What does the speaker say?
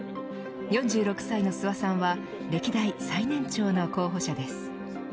４６歳の諏訪さんは歴代最年長の候補者です。